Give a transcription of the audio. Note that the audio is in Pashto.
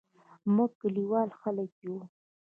موږ کلیوال خلګ یو